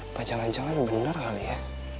apa jangan jangan bener kali ya